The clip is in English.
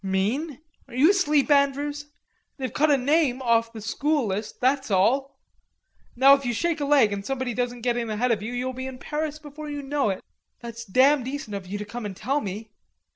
"Mean... are you asleep, Andrews? They've cut a name off the school list, that's all. Now if you shake a leg and somebody doesn't get in ahead of you, you'll be in Paris before you know it." "That's damn decent of you to come and tell me."